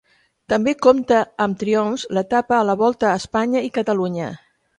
També compte amb triomfs d'etapa a la Volta a Espanya i Catalunya.